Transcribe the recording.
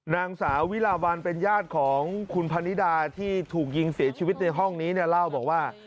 นางสาววิลาวันเป็นญาติของคุณพนิดาที่ถูกยิงเสียชีวิตในห้องนี้เนี่ยเล่าบอกว่า